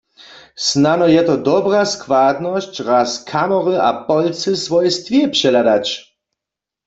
Snano je to dobra składnosć, raz kamory a polcy w swojej stwě přehladać.